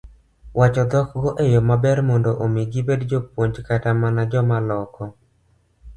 wacho dhokgo e yo maber mondo omi gibed jopuonj kata mana joma loko